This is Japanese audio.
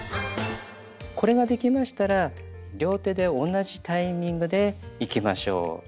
これができましたら両手で同じタイミングでいきましょう。